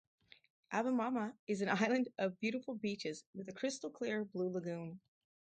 Abemama is an island of beautiful beaches with a crystal clear blue lagoon.